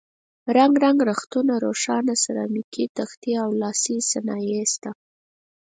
رنګ رنګ رختونه، روښانه سرامیکي تختې او لاسي صنایع شته.